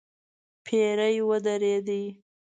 پيرې ودرېدې.